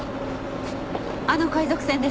あの海賊船ですか？